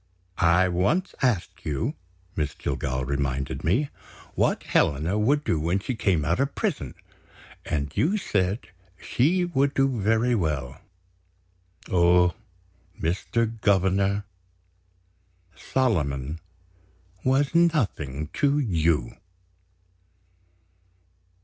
"I once asked you," Miss Jillgall reminded me, "what Helena would do when she came out of prison, and you said she would do very well. Oh, Mr. Governor, Solomon was nothing to You!"